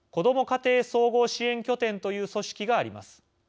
家庭総合支援拠点という組織があります。